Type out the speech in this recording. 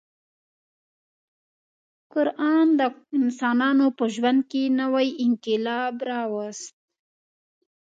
قران د انسانانو په ژوند کې نوی انقلاب راوست.